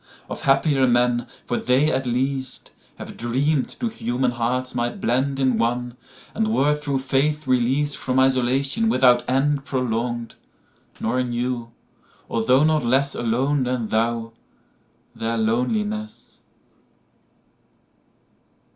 Of happier men—for they, at least, Have dream'd two human hearts might blendIn one, and were through faith releas'dFrom isolation without endProlong'd, nor knew, although not lessAlone than thou, their loneliness.